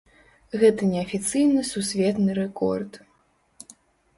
Гэта неафіцыйны сусветны рэкорд.